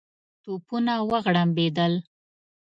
توپونه وغړمبېدل.